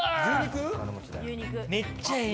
めっちゃええ